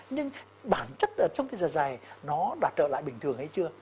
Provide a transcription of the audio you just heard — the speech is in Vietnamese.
nhưng bản chất ở trong cái giờ dài nó đạt trở lại bình thường hay chưa